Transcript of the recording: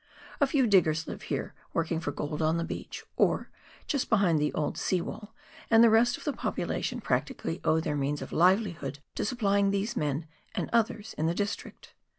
A few diggers live here, working for gold on the beach, or just behind the old sea wall, and the rest of the population practically owe their means of livelihood to supplying these men and others working in the district.